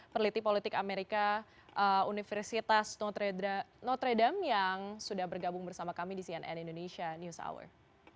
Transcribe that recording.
peneliti politik amerika universitas notredam yang sudah bergabung bersama kami di cnn indonesia news hour